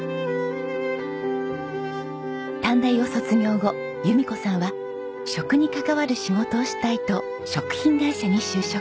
短大を卒業後弓子さんは食に関わる仕事をしたいと食品会社に就職。